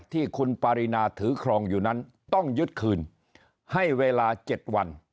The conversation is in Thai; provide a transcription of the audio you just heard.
ที่คุณปารีนาถือครองอยู่นั้นต้องยึดคืนให้เวลา๗วัน